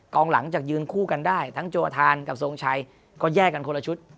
หลังจากยืนคู่กันได้ทั้งโจทานกับทรงชัยก็แยกกันคนละชุด